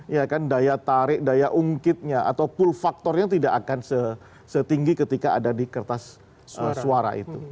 ya kan daya tarik daya ungkitnya atau pull faktornya tidak akan setinggi ketika ada di kertas suara itu